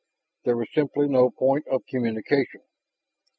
There was simply no point of communication.